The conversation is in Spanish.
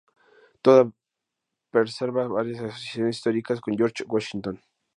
Todavía preserva varias asociaciones históricas con George Washington.